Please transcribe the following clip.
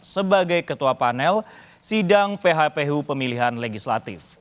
sebagai ketua panel sidang phpu pemilihan legislatif